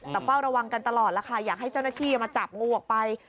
แต่เฝ้าระวังกันตลอดแล้วค่ะอยากให้เจ้าหน้าที่มาจับงูออกไป